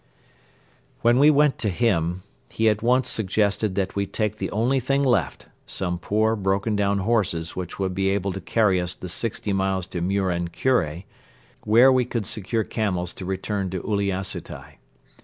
When we went to him, he at once suggested that we take the only thing left, some poor, broken down horses which would be able to carry us the sixty miles to Muren Kure, where we could secure camels to return to Uliassutai.